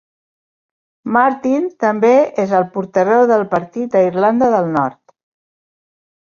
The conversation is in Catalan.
Martin també és el portaveu del partit a Irlanda del Nord.